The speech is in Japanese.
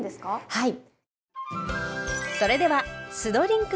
はい。